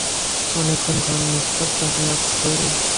অনেকক্ষণ ঘর নিস্তব্ধ হইয়া রহিল।